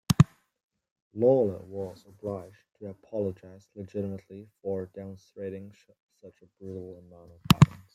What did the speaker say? Lawler was obliged to apologize legitimately for "demonstrating such a brutal amount of violence".